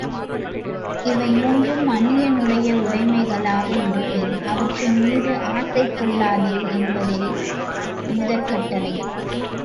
இவை மூன்றும் அன்னியனுடைய உடைமைகளாக இருப்பின், அவற்றின் மீது ஆசை கொள்ளாதே என்பதே முதற் கட்டளை.